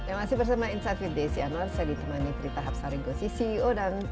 yang masih bersama insight with desy anwar saya ditemani dari tahap saranko si ceo dan ceo